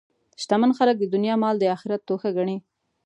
شتمن خلک د دنیا مال د آخرت توښه ګڼي.